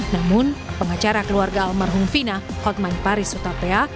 namun pengacara keluarga almarhum vina hotman paris utapia